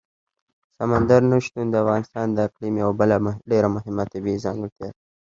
سمندر نه شتون د افغانستان د اقلیم یوه بله ډېره مهمه طبیعي ځانګړتیا ده.